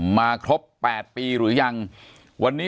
ภาคภูมิ